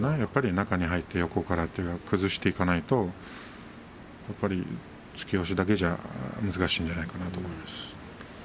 中に入って横から崩していかないと突き押しだけでは難しいかなと思います。